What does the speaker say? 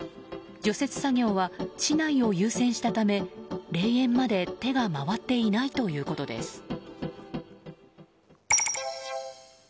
除雪作業は市内を優先したため霊園まで手が回っていないということです。